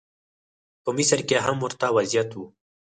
په مصر کې هم ورته وضعیت و.